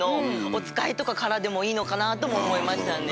おつかいとかからでもいいのかなとも思いましたね。